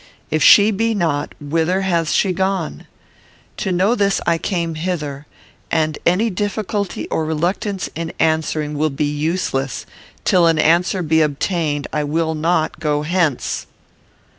If she be not, whither has she gone? To know this I came hither, and any difficulty or reluctance in answering will be useless; till an answer be obtained, I will not go hence."